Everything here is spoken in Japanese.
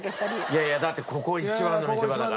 いやいやだってここ一番の見せ場だから。